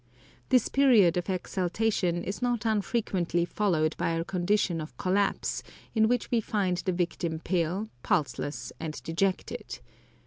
This period of exaltation is not unfrequently followed by a condition of collapse in which we find the victim pale, pulseless, and dejected.